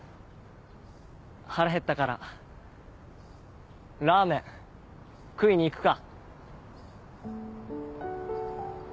腹へったからラーメン食いに行くか。